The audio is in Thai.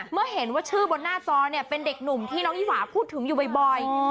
เมื่อเห็นว่าชื่อบนหน้าจอเนี่ยเป็นเด็กหนุ่มที่น้องยี่หวาพูดถึงอยู่บ่อย